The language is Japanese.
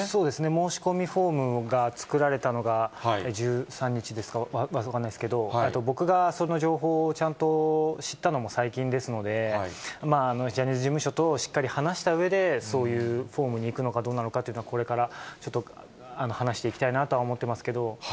申し込みフォームが作られたのが１３日ですか、分からないですけれども、僕がその情報をちゃんと知ったのも最近ですので、ジャニーズ事務所としっかり話したうえで、そういうフォームに行くのかどうなのかというのは、これからちょっと話していきたいなとは思ってますけど。